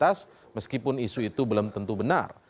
sebagai elektabilitas meskipun isu itu belum tentu benar